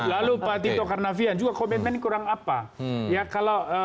lalu pak tito karnavian juga komitmen kurang apa